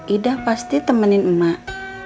idah pasti temenin emak